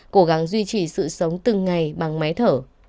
cố gắng duy trì sự sống từng ngày bằng máy thở